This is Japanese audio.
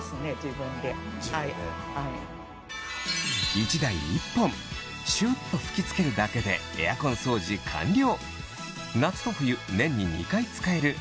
１台１本シュっと吹き付けるだけでエアコン掃除完了